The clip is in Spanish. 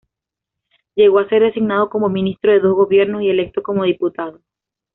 Llegó a ser designado como ministro de dos gobiernos y electo como diputado.